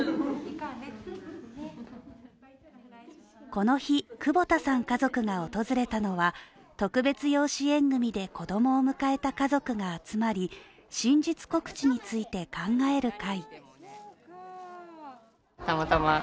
この日、久保田さん家族が訪れたのは特別養子縁組で子供を迎えた家族が集まり真実告知について考える会。